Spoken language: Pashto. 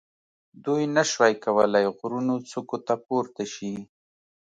دوی نه شوای کولای غرونو څوکو ته پورته شي.